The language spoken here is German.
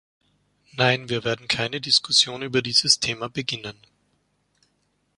Nein, wir werden keine Diskussion über dieses Thema beginnen.